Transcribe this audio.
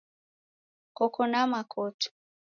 kokona makoto